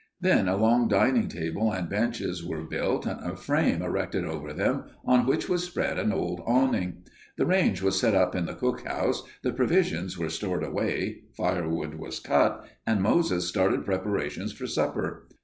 Then a long dining table and benches were built and a frame erected over them on which was spread an old awning. The range was set up in the cook house, the provisions were stored away, firewood was cut, and Moses started preparations for supper.